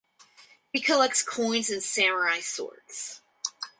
He collects coins and samurai swords.